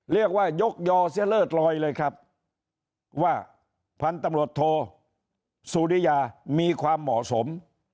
ยกยอเสียเลิศลอยเลยครับว่าพันธุ์ตำรวจโทสุริยามีความเหมาะสม